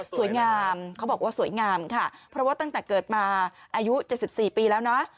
สวยงามเขาบอกว่าสวยงามค่ะเพราะว่าตั้งแต่เกิดมาอายุ๗๔ปีแล้วนะ